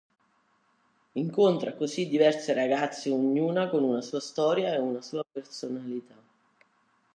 Incontra così diverse ragazze ognuna con una sua storia e una sua personalità.